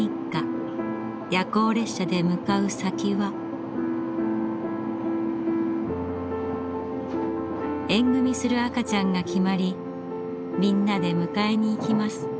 夜行列車で向かう先は縁組する赤ちゃんが決まりみんなで迎えに行きます。